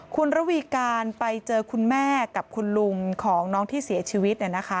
คุณระวีการไปเจอคุณแม่กับคุณลุงของน้องที่เสียชีวิต